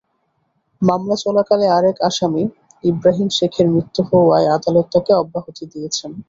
মামলা চলাকালে আরেক আসামি ইব্রাহিম শেখের মৃত্যু হওয়ায় আদালত তাঁকে অব্যাহতি দিয়েছেন।